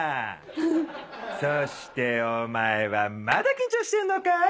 そしてお前はまだ緊張してんのか？